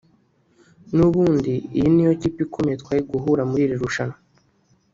n’ubundi iyi niyo kipe ikomeye twari guhura muri iri rushanwa